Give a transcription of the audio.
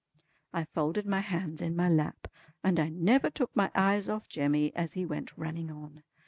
I folded my hands in my lap and I never took my eyes off Jemmy as he went running on.